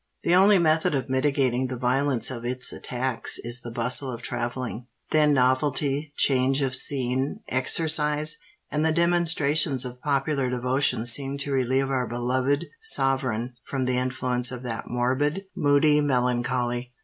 The only method of mitigating the violence of its attacks is the bustle of travelling:—then novelty, change of scene, exercise, and the demonstrations of popular devotion seem to relieve our beloved sovereign from the influence of that morbid, moody melancholy."